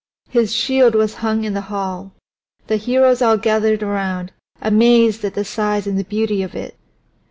His shield was hung in the hall; the heroes all gathered around, amazed at the size and the beauty of it.